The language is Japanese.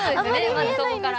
まずそこから。